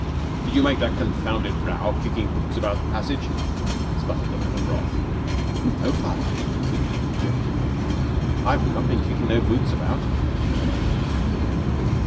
"Did you make that confounded row kicking boots about the passage?" spluttered the man of wrath. "No, Father," said William, gently. "I've not bin kickin' no boots about."